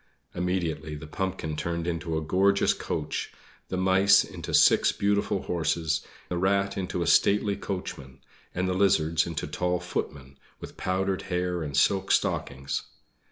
Immediately the pumpkin turned into a gorgeous coach, the mice into six beautiful horses, the rat into a stately coachman, and the lizards into tall footmen, with powdered hair and silk stockings.